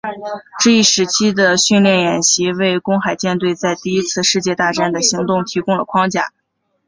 这一时期的训练演习为公海舰队在第一次世界大战的行动提供了框架。